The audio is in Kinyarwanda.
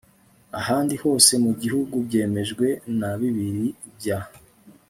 ahandi hose mu gihugu byemejwe na bibiri bya